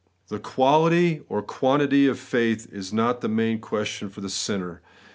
The quality or quantity of faith is not the main question for the sinner.